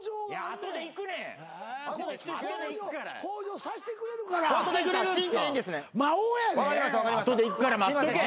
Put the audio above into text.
後でいくから待っとけ。